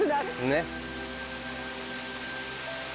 ねっ。